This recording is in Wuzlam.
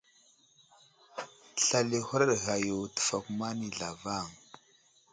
Slal i huraɗ ghay yo tefakuma nay zlavaŋ.